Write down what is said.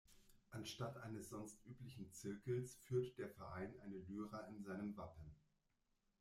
Anstatt eines sonst üblichen Zirkels führt der Verein eine Lyra in seinem Wappen.